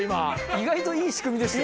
意外といい仕組みでした。